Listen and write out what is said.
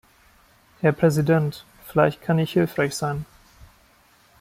Herr Präsident, vielleicht kann ich hilfreich sein.